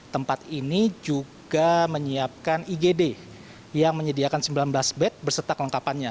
tempat ini juga menyiapkan igd yang menyediakan sembilan belas bed berserta kelengkapannya